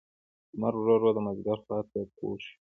لمر ورو ورو د مازیګر خوا ته کږ شو.